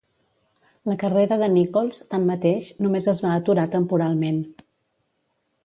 La carrera de Nicholls, tanmateix, només es va aturar temporalment.